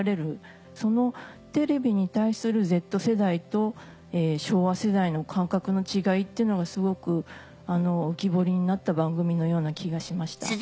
そのテレビに対するＺ世代と昭和世代の感覚の違いっていうのがすごく浮き彫りになった番組のような気がしました。